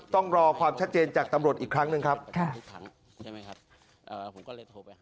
ต้องรอความชัดเจนจากตำรวจอีกครั้งหนึ่งครับ